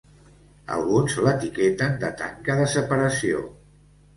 Alguns l'etiqueten de tanca de separació.